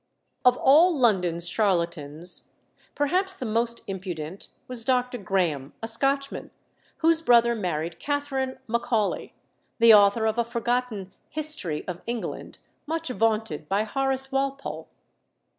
Of all London's charlatans, perhaps the most impudent was Dr. Graham, a Scotchman, whose brother married Catherine Macaulay, the author of a forgotten History of England, much vaunted by Horace Walpole.